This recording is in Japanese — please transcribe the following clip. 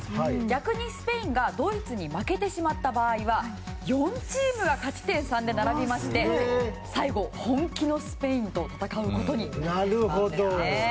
逆にスペインがドイツに負けてしまった場合は４チームが勝ち点３で並びまして最後、本気のスペインと戦うことになるんですよね。